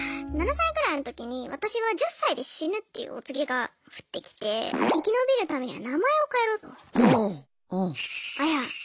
７歳ぐらいの時に私は１０歳で死ぬっていうお告げが降ってきて生き延びるためには名前を変えろと。